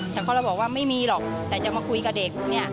แต่เขาเราบอกว่าไม่มีหรอกแต่จะมาคุยกับเด็กเนี่ย